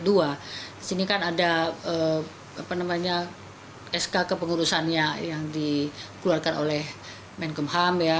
di sini kan ada sk kepengurusannya yang dikeluarkan oleh menkumham ya